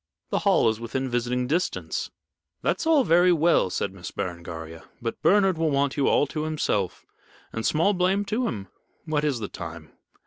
The Hall is within visiting distance." "That's all very well," said Miss Berengaria. "But Bernard will want you all to himself, and small blame to him. What is the time?"